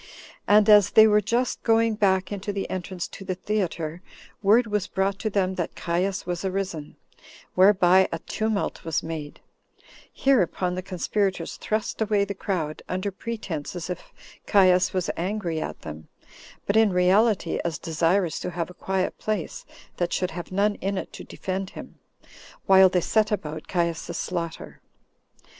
And as they were just going back into the entrance to the theater, word was brought them that Caius was arisen, whereby a tumult was made; hereupon the conspirators thrust away the crowd, under pretense as if Caius was angry at them, but in reality as desirous to have a quiet place, that should have none in it to defend him, while they set about Caius's slaughter.